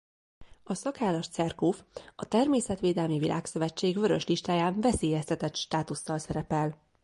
A szakállas cerkóf a Természetvédelmi Világszövetség Vörös listáján veszélyeztetett státusszal szerepel.